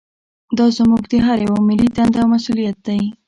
دا زموږ د هر یوه ملي دنده او مسوولیت دی